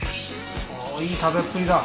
いい食べっぷりだ！